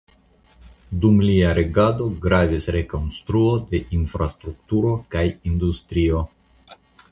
Dum lia regado gravis rekonstruo de infrastrukturo kaj industrio.